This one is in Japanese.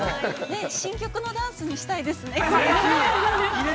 ◆ねえ、新曲のダンスにしたいですよね、これ。